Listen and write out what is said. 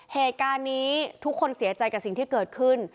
เหตุการณ์นี้ทุกคนเสียใจกับสิ่งที่เกิดขึ้น